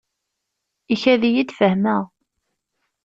Ikad-iyi-d fehmeɣ.